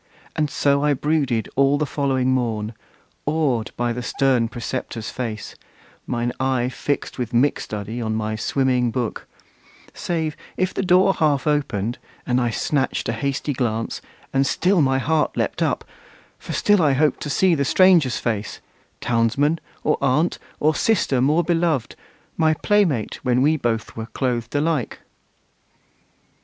And so I brooded all the following morn, Awed by the stern preceptor's face, mine eye Fixed with mick study on my swimming book: Save if the door half opened, and I snatched A hasty glance, and still my heart leaped up, For still I hoped to see the stranger's face, Townsman, or aunt, or sister more beloved, My play mate when we both were clothed alike!